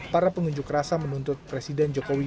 para pengunjuk rasa menuntut presiden jokowi